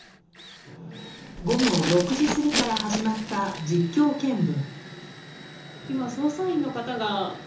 午後６時過ぎから始まった実況見分。